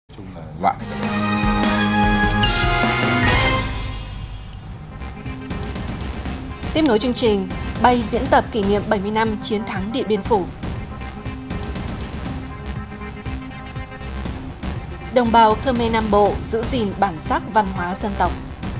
đồng bào thơ mê nam bộ giữ gìn bản sắc văn hóa dân tộc